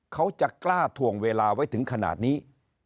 เขาจะกล้าถวงเวลาไว้ถึงขนาดนี้